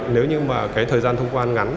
nếu như thời gian thông quan ngắn